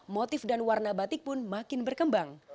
motif dan warna batik pun makin berkembang